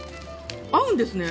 合うんですね。